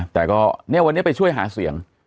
แต่ก็เนี่ยวันนี้ไปช่วยหาเสียง